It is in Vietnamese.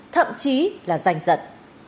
bản trí là danh dật